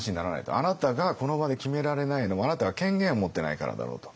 あなたがこの場で決められないのはあなたが権限を持ってないからだろうと。